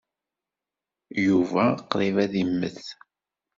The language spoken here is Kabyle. Yuba qṛib ad immet.